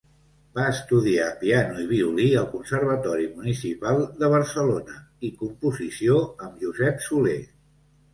Va estudiar piano i violí al Conservatori Municipal de Barcelona i composició amb Josep Soler.